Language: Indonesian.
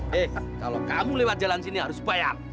hei kalau kamu lewat jalan sini harus bayar